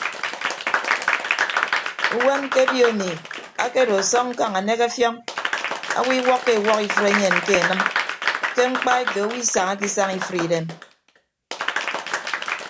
Uwem ke obio emi akedo asọñ ñkañ anek ọfiọñ owo iwọkkọ ewọk ifre enyen ke enịm ke mkpaeto owo isañake isañ ifre idem.